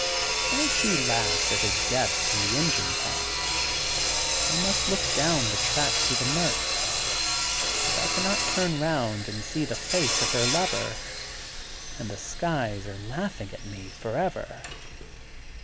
While she laughs as his g^^est in the engine cab I must look down the track through the murk, and I cannot turn round and see the face of her lover, and the skies are laughing at me forever.